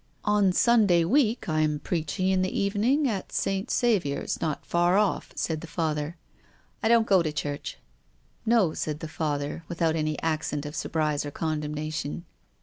" On Sunday week I am preaching in the even ing at St. Saviour's, not far off," said the Father. PROFESSOR GUILDEA. 271 " I don't go to church." " No," said the Father, without any accent of surprise or condemnation.